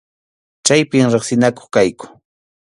Chaypim riqsinakuq kayku.